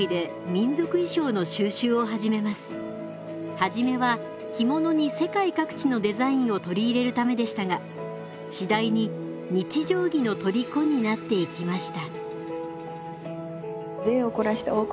初めは着物に世界各地のデザインを取り入れるためでしたが次第に日常着のとりこになっていきました。